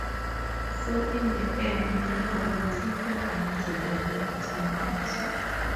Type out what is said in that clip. So in the end, we're gonna take you down to "The River" tonight.